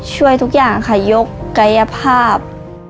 ช่วยทุกอย่างค่ะยกกายภาพ